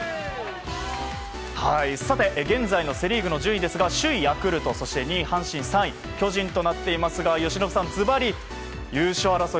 現在のセ・リーグの順位ですが首位、ヤクルト２位、阪神３位、巨人となっていますが由伸さん、ずばり優勝争い